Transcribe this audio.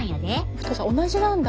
太さ同じなんだ。